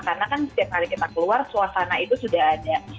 karena kan setiap hari kita keluar suasana itu sudah ada